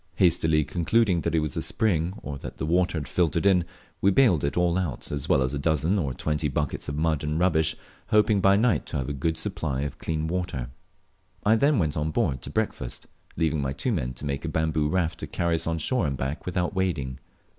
Hastily concluding that it was a spring, or that the water had filtered in, we baled it all out as well as a dozen or twenty buckets of mud and rubbish, hoping by night to have a good supply of clean water. I then went on board to breakfast, leaving my two men to make a bamboo raft to carry us on shore and back without wading.